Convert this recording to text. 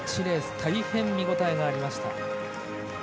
大変、見応えがありました。